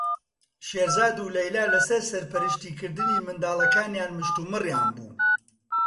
شێرزاد و لەیلا لەسەر سەرپەرشتیکردنی منداڵەکانیان مشتومڕیان بوو.